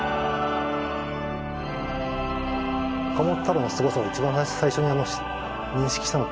岡本太郎のすごさを一番最初に認識したのって